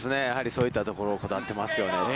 やっぱりそういったところをこだわってますね。